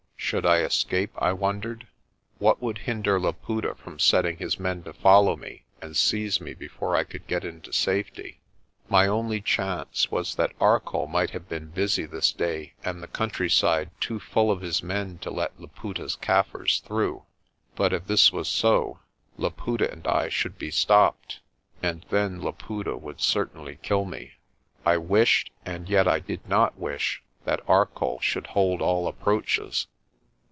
Should I escape, I wondered. What would hinder Laputa from setting his men to follow me, and seize me before I could get into safety? My only chance was that Arcoll might have been busy this day and the countryside too full of his men to let Laputa's Kaffirs through. But if this was so, Laputa and I should be stopped, and then Laputa would certainly kill me. I wished and yet I did not wish INANDA'S KRAAL 199 that Arcoll should hold all approaches.